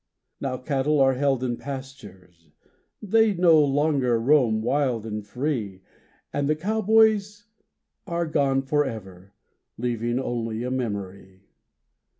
Now, cattle are held in pastures, They no longer roam wild and free,— And the cowboys are gone forever, Leaving only a memory.